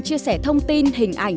chia sẻ thông tin hình ảnh